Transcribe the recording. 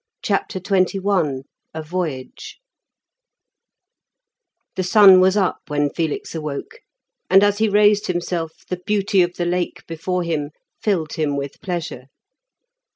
CHAPTER XXI A VOYAGE The sun was up when Felix awoke, and as he raised himself the beauty of the Lake before him filled him with pleasure.